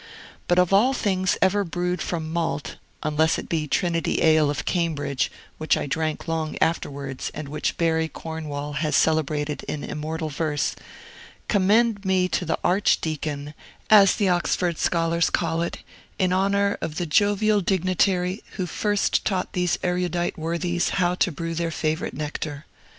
But of all things ever brewed from malt (unless it be the Trinity Ale of Cambridge, which I drank long afterwards, and which Barry Cornwall has celebrated in immortal verse), commend me to the Archdeacon, as the Oxford scholars call it, in honor of the jovial dignitary who first taught these erudite worthies how to brew their favorite nectar.